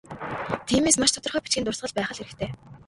Тиймээс, маш тодорхой бичгийн дурсгал байх л хэрэгтэй.